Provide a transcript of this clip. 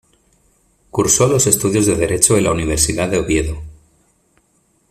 Cursó los estudios de Derecho en la Universidad de Oviedo.